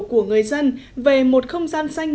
của người dân về một không gian xanh